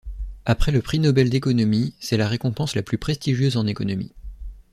Après le prix Nobel d'économie, c'est la récompense la plus prestigieuse en économie.